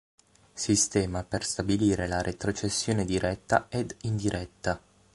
Sistema per stabilire la retrocessione diretta ed indiretta